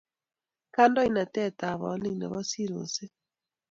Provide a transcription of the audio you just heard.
Kandoinatet ab alik nebo sirosek